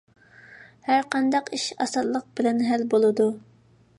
ھەر قانداق ئىش ئاسانلىق بىلەن ھەل بولىدۇ.